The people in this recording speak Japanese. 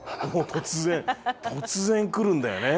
突然くるんだよね。